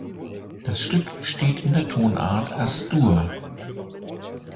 Das Stück steht in der Tonart As-Dur.